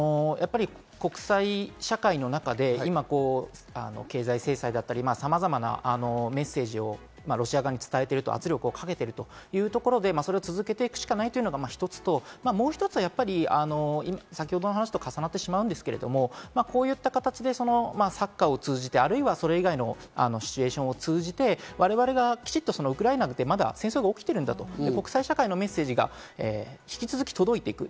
国際社会の中で今、経済制裁だったり、さまざまなメッセージをロシア側に伝えている、圧力をかけているというところでそれを続けていくしかないっていうのが一つと、もう一つはやっぱりこういった形でサッカーを通じて、あるいは、それ以外のシチュエーションを通じて我々がきちっとウクライナでまた戦争は起きてるんだ、国際社会にメッセージが引き続き届いていく。